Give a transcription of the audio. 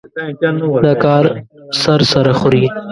دا کار سر سره خوري.